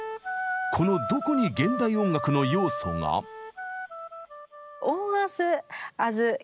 このどこに現代音楽の要素が？へえ。